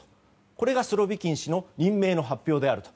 これがスロビキン氏の任命の発表であると。